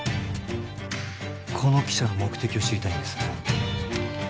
この記者の目的を知りたいんです